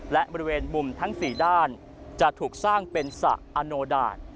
และบริเวณมุมทั้ง๔ด้านจะถูกสร้างเป็นสระอโนดาต